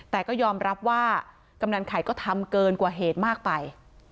แต่ก็ยอมรับว่ากำนันไข่ก็ทำเกินกว่าเหตุมากไป